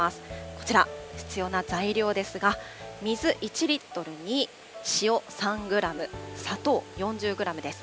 こちら、必要な材料ですが、水１リットルに塩３グラム、砂糖４０グラムです。